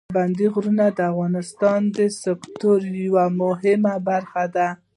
پابندي غرونه د افغانستان د سیلګرۍ یوه مهمه برخه ده.